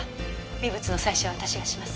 微物の採取は私がします。